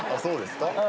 そうですか？